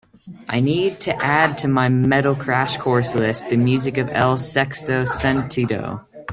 I need to add to my metal crash course list the music of El sexto sentido